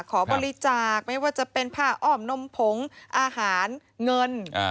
ขอบริจาคไม่ว่าจะเป็นผ้าอ้อมนมผงอาหารเงิน